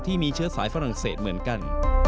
ที่มีเชื้อสายฝรั่งเศสเหมือนกัน